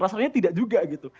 rasanya tidak juga gitu